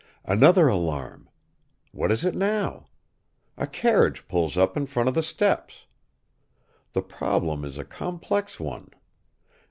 Another alarm! What is it now? A carriage pulls up in front of the steps. The problem is a complex one.